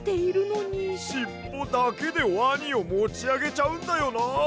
しっぽだけでワニをもちあげちゃうんだよな！